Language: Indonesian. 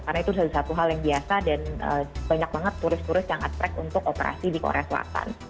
karena itu satu hal yang biasa dan banyak banget turis turis yang attract untuk operasi di korea selatan